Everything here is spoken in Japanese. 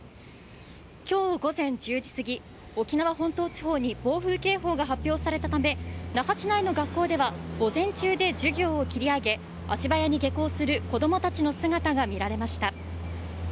今日午前１０時過ぎ、沖縄本島地方に暴風警報が発表されたため、那覇市内の学校では、午前中で授業を切り上げ、足早に下校する子供たちの姿が見られました。